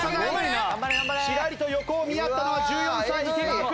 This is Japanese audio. チラリと横を見やったのは１４歳池川君！